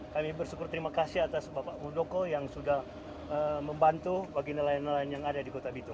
kami bersyukur terima kasih atas bapak muldoko yang sudah membantu bagi nelayan nelayan yang ada di kota bitung